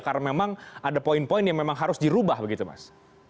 karena memang ada poin poin yang memang harus dirubah begitu mas